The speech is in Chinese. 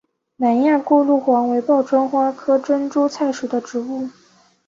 南亚过路黄为报春花科珍珠菜属的植物。